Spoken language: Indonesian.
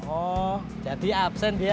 oh jadi absen dia